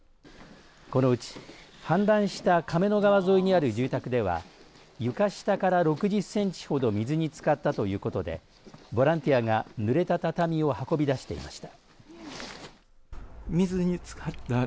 この時氾濫した亀の川沿いにある住宅では床下から６０センチほど水につかったということでボランティアがぬれた畳を運び出していました。